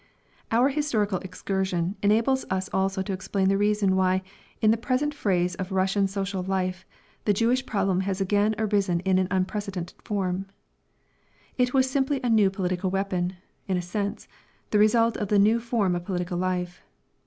Our historical excursion enables us also to explain the reason why in the present phrase of Russian social life the Jewish problem has again arisen in an unprecedented form. It was simply a new political weapon, in a sense, the result of the new form of political life.